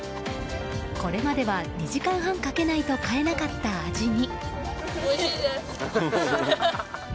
これまでは２時間半かけないと買えなかった味に。